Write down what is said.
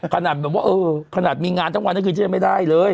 ขนาดแบบว่าเออขนาดมีงานทั้งวันทั้งคืนฉันยังไม่ได้เลย